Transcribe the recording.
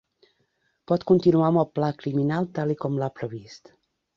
Pot continuar amb el pla criminal tal i com l'ha previst.